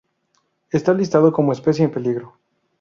Está listado como especie en peligro.